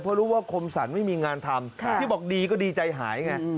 เพราะรู้ว่าคมสรรไม่มีงานทำที่บอกดีก็ดีใจหายไง